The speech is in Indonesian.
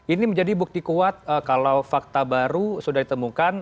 ini menjadi bukti kuat kalau fakta baru sudah ditemukan